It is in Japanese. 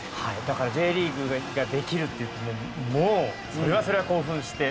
だからＪリーグができるっていうともうそれはそれは興奮して。